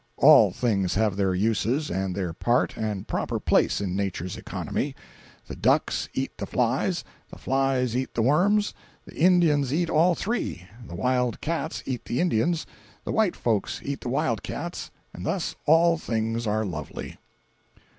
All things have their uses and their part and proper place in Nature's economy: the ducks eat the flies—the flies eat the worms—the Indians eat all three—the wild cats eat the Indians—the white folks eat the wild cats—and thus all things are lovely.